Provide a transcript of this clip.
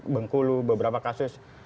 bengkulu beberapa kasus